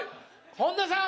本田さん。